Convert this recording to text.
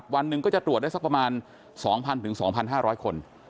วันหนึ่งก็จะตรวจได้สักประมาณ๒๐๐๒๕๐๐คน